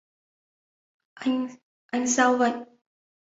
Anh sao vậy